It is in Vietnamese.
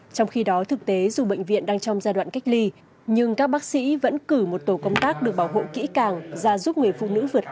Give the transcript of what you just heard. trong khi đó thực tế dù bệnh viện đang trong giai đoạn cách ly nhưng các bác sĩ vẫn cử một tổ công tác được bảo hộ kỹ càng ra giúp người phụ nữ vượt khó